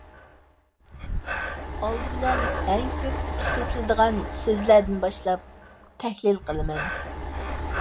ئالدى بىلەن ئەڭ كۆپ ئىشلىتىدىغان سۆزلەردىن باشلاپ تەھلىل قىلىمەن.